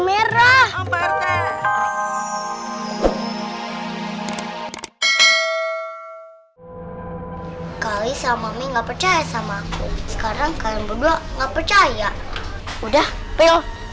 merah kali sama nggak percaya sama aku sekarang kalian berdua nggak percaya udah pergi yuk